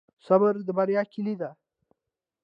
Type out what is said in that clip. صبر د بریا کیلي ده